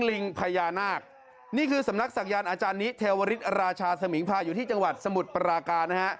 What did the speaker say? ลิงพญานาคนี่คือสำนักศักยานอาจารย์นิเทวริสราชาสมิงพาอยู่ที่จังหวัดสมุทรปราการนะฮะ